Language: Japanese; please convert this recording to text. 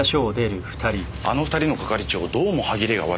あの２人の係長どうも歯切れが悪いですね。